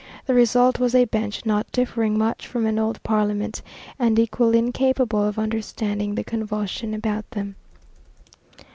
The result was a bench not differing much from an old parliament, and equally incapable of understanding the convulsion about them.